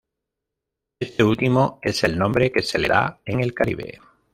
Este último es el nombre que se le da en el Caribe.